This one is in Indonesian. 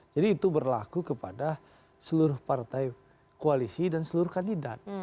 jadi itu berlaku kepada seluruh partai koalisi dan seluruh kandidat